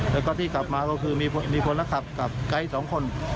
แล้วก็ที่กลับมาก็คือมีคนละขับกับไกด์สองคน